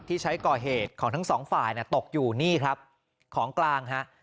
ที่ใช้ก่อเหตุของทั้งสองฝ่ายตกอยู่นี่ครับของกลางฮะ